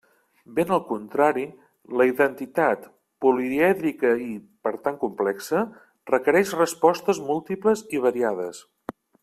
Ben al contrari, la identitat, polièdrica i, per tant, complexa, requereix respostes múltiples i variades.